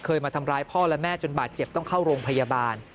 มาทำร้ายพ่อและแม่จนบาดเจ็บต้องเข้าโรงพยาบาล